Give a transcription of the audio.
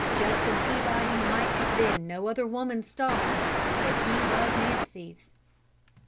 Justin Peabody might have been no other woman's star, but he was Nancy's!